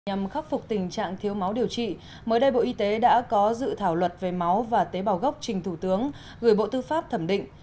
nhằm khắc phục tình trạng thiếu máu điều trị mới đây bộ y tế đã có dự thảo luật về máu và tế bào gốc trình thủ tướng gửi bộ tư pháp thẩm định